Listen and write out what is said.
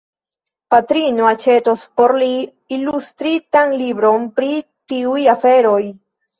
Patrino aĉetos por li ilustritan libron pri tiuj aferoj.